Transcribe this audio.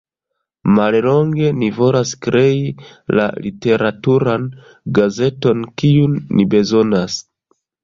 Mallonge: ni volas krei la literaturan gazeton, kiun ni bezonas.